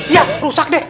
yah rusak deh